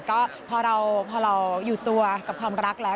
ก็พอเราอยู่ตัวกับความรักแล้ว